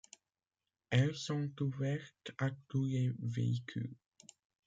Elles sont ouvertes à tous les véhicules.